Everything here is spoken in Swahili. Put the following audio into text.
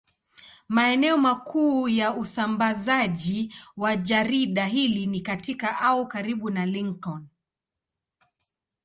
Maeneo makuu ya usambazaji wa jarida hili ni katika au karibu na Lincoln.